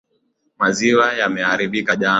Maziwa yameharibika jana.